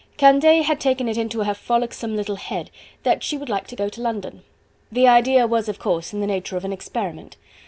Candeille had taken it into her frolicsome little head that she would like to go to London. The idea was of course in the nature of an experiment.